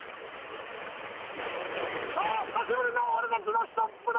さあ、久しぶりの「俺たちのひとっ風呂」。